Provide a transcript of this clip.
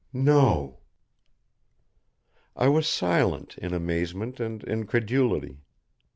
"No." I was silent in amazement and incredulity.